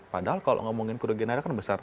padahal kalau ngomongin kerugian negara kan besar